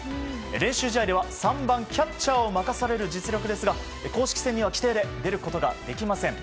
練習試合では３番キャッチャーを任される実力ですが公式戦には規定で出ることができません。